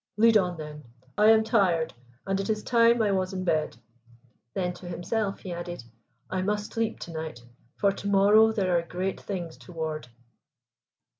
"Lead on then. I am tired, and it is time I was in bed." Then to himself he added: "I must sleep to night, for to morrow there are great things toward."